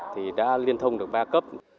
thì đã liên thông được ba cấp